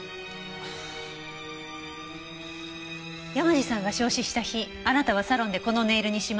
山路さんが焼死した日あなたはサロンでこのネイルにしましたね？